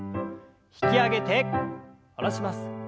引き上げて下ろします。